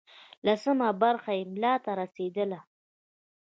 لسمه برخه یې ملا ته رسېدله.